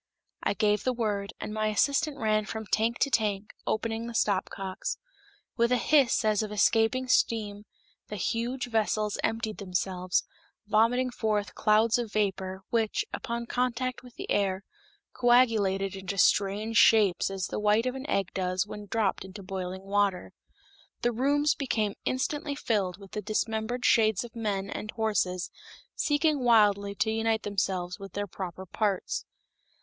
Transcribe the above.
I gave the word, and my assistants ran from tank to tank, opening the stopcocks. With a hiss as of escaping steam the huge vessels emptied themselves, vomiting forth clouds of vapor, which, upon contact with the air, coagulated into strange shapes as the white of an egg does when dropped into boiling water. The rooms became instantly filled with dismembered shades of men and horses seeking wildly to unite themselves with their proper parts.